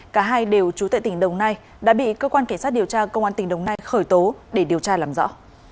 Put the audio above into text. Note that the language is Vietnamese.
cả hai đều trú tại tỉnh đồng nai đã bị cơ quan cảnh sát điều tra công an tỉnh đồng nai khởi tố để điều tra làm rõ